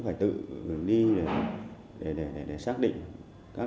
rất trí tiết